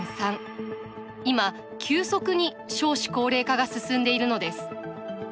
今急速に少子高齢化が進んでいるのです。